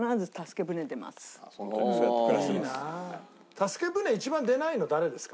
助け舟一番出ないの誰ですか？